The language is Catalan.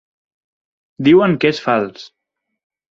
Diuen que és fals!